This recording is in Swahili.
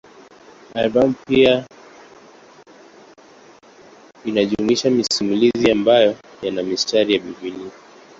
Albamu pia inajumuisha masimulizi ambayo yana mistari ya Biblia.